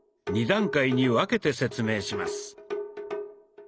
２段階に分けて説明します。